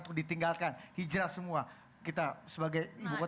untuk ditinggalkan hijrah semua kita sebagai ibu kota